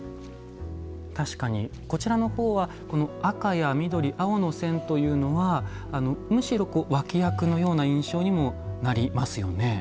確かにこちらの方はこの赤や緑青の線というのはむしろ脇役のような印象にもなりますよね。